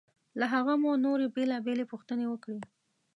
له هغه مو نورې بېلابېلې پوښتنې وکړې.